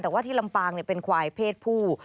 แต่ว่าที่ลำปางเป็นควายเพศผู้